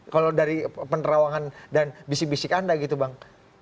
kalau dari penerawangan dan bisik bisik anda gitu bang